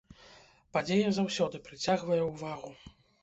Падзея заўсёды прыцягвае ўвагу.